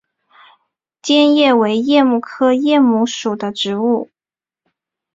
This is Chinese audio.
坚桦为桦木科桦木属的植物。